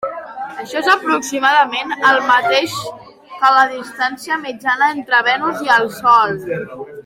Això és aproximadament el mateix que la distància mitjana entre Venus i el sol.